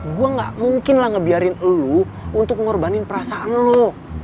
gue gak mungkin lah ngebiarin lu untuk mengorbanin perasaan lo